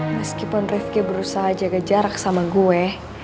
meskipun rifki berusaha jaga jarak sama gue